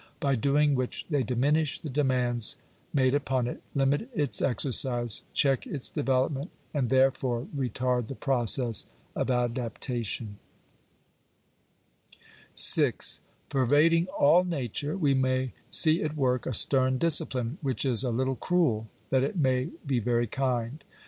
By doing which they diminish the demands made upon it, limit its exercise, check its development* and therefore retard the process of adaptation. Digitized by VjOOQIC POOR LAWS. §6. V Pervading all nature we may see at work a stern discipline, which is a little cruel that it may be very kind.